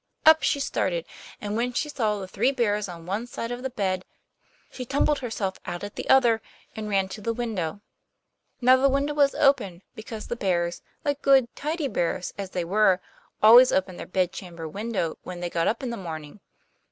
Up she started; and when she saw the Three Bears on one side of the bed, she tumbled herself out at the other, and ran to the window. Now the window was open, because the bears, like good, tidy bears as they were, always opened their bedchamber window when they got up in the morning.